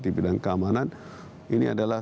di bidang keamanan ini adalah